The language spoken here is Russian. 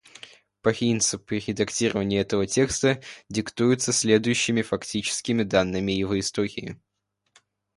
Принципы редактирования этого текста диктуются следующими фактическими данными его истории.